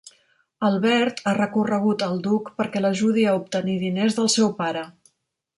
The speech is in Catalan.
Albert ha recorregut al duc perquè l'ajudi a obtenir diners del seu pare.